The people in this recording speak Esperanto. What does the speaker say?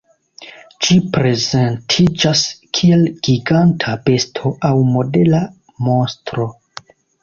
Ĝi prezentiĝas kiel giganta besto aŭ modela monstro.